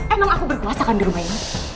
emang aku berpuasa kan di rumah ini